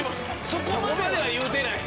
そこまでは言うてない。